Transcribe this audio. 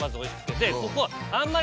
でここはあんまり。